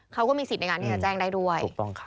เขาก็มีสิทธิ์ในการที่จะแจ้งได้ด้วย